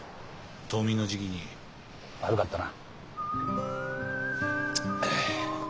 冬眠の時期に悪かったな。